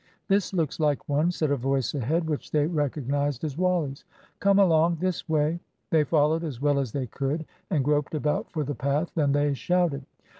"This looks like one," said a voice ahead, which they recognised as Wally's. "Come along this way." They followed as well as they could, and groped about for the path. Then they shouted.